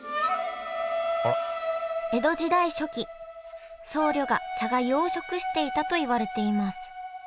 江戸時代初期僧侶が茶がゆを食していたといわれています